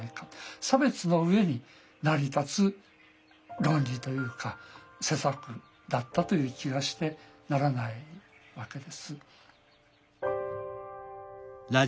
差別の上に成り立つ論理というか施策だったという気がしてならないわけです。